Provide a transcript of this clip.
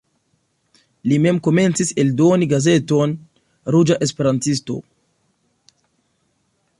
Li mem komencis eldoni gazeton "Ruĝa Esperantisto".